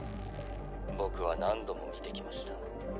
僕は何度も見てきました。